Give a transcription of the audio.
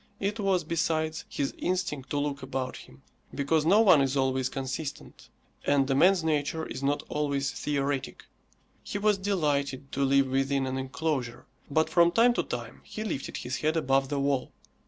It was, besides, his instinct to look about him, because no one is always consistent, and a man's nature is not always theoretic; he was delighted to live within an enclosure, but from time to time he lifted his head above the wall.